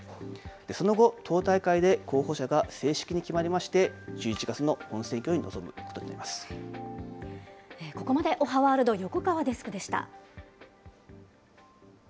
その後、党大会で候補者が正式に決まりまして、１１月の本選挙にここまでおはワールド、横川デスクでした。